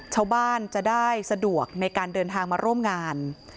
ชาวบ้านจะได้สะดวกในการเดินทางมาร่วมงาน